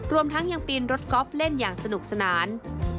รวมทั้งยังปีนรถก๊อฟเล่นอย่างสนุกสนาน